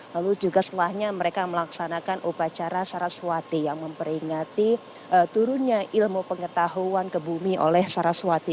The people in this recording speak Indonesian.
lalu juga setelahnya mereka melaksanakan upacara saraswati yang memperingati turunnya ilmu pengetahuan ke bumi oleh saraswati